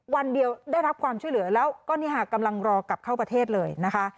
วันเดียวได้รับความช่วยเหลือแล้วก็นี่ค่ะกำลังรอกลับเข้าประเทศเลยนะคะ